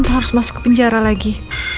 harus masuk ke penjara lagi